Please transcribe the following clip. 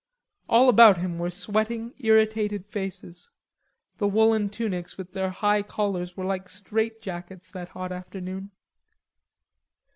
All about him were sweating irritated faces; the woollen tunics with their high collars were like straight jackets that hot afternoon.